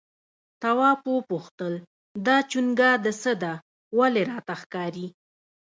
تواب وپوښتل دا چونگا د څه ده ولې راته ښکاري؟